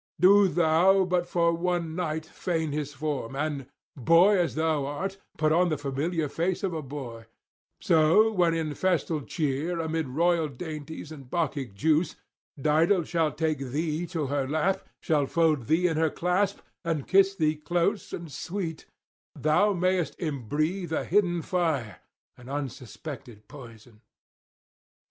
Do thou but for one night feign his form, and, boy as thou art, put on the familiar face of a boy; so when in festal cheer, amid royal dainties and Bacchic juice, Dido shall take thee to her lap, shall fold thee in her clasp and kiss thee close and sweet, thou mayest imbreathe a hidden fire and unsuspected poison.'